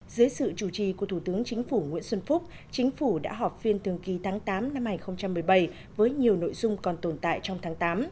dưới sự chủ trì của thủ tướng chính phủ nguyễn xuân phúc chính phủ đã họp phiên thường kỳ tháng tám năm hai nghìn một mươi bảy với nhiều nội dung còn tồn tại trong tháng tám